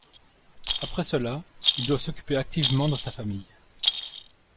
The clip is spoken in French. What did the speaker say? Après cela, il doit s'occuper activement de sa famille.